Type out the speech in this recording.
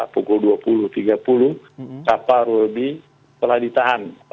pukul dua puluh tiga puluh kapal rudy telah ditahan